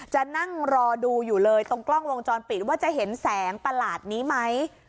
จะนั่งรอดูอยู่เลยตรงกล้องวงจรปิดว่าจะเห็นแสงประหลาดนี้ไหม